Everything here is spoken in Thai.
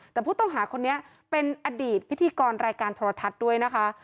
แต่ผู้ต้องหาคนนี้เป็นอดีตพิธีกรรายการโทรทัศน์ด้วยนะคะ